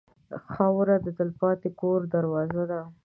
خاوره د تلپاتې کور دروازه ده.